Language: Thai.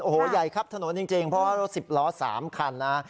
โอ้โหใหญ่ครับถนนจริงเพราะว่ารถสิบล้อ๓คันนะ